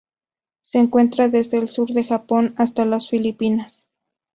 Se encuentra desde el sur del Japón hasta las Filipinas.